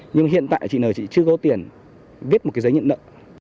nhưng mà hiện tại chị n thì chị chưa có tiền viết một cái giấy nhận nợ